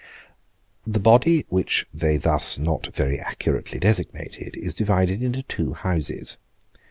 The body which they thus not very accurately designated is divided into two Houses.